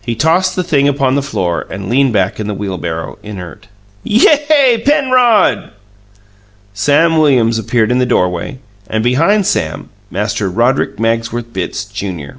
He tossed the thing upon the floor, and leaned back in the wheelbarrow, inert. "Yay, Penrod!" Sam Williams appeared in the doorway, and, behind Sam, Master Roderick Magsworth Bitts, Junior.